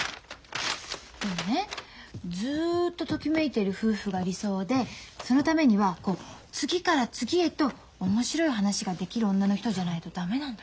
でもねずっとときめいてる夫婦が理想でそのためにはこう次から次へと面白い話ができる女の人じゃないと駄目なんだって。